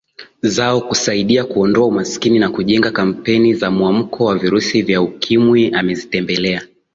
zao kusaidia kuondoa umaskini na kujenga kampeni za mwamko wa Virusi Vya Ukimwi Amezitembelea